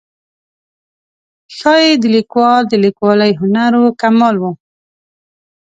ښایي د لیکوال د لیکوالۍ هنر و کمال و.